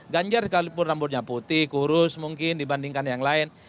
ganjar sekalipun rambutnya putih kurus mungkin dibandingkan yang lain